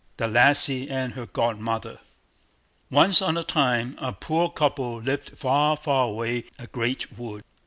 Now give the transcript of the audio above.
THE LASSIE AND HER GODMOTHER Once on a time a poor couple lived far, far away in a great wood.